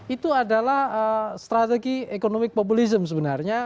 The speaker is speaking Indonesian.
itu adalah strategi ekonomi populisme sebenarnya